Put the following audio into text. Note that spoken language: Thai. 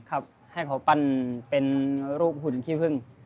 ครับให้เขาปั้นเป็นรูปหุ่นขี้พึ่ง